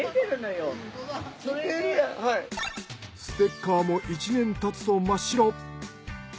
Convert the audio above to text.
ステッカーも１年経つと真っ白。